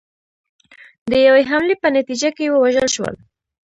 د یوې حملې په نتیجه کې ووژل شول